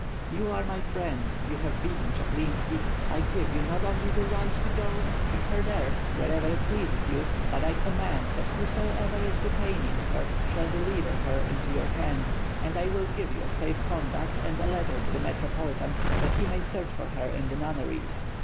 '' "You are my friend, you have beaten Chaplinski, I give you not only the right to go and seek her there, wherever it pleases you; but I command that whosoever is detaining her shall deliver her into your hands, and I will give you a safe conduct and a letter to the Metropolitan, that he may search for her in the nunneries.